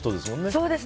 そうです。